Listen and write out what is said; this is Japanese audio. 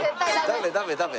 ダメダメダメ。